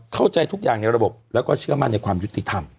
เข้าใจทุกอย่างในระบบแล้วก็เชื่อมั่นในความยุติธรรม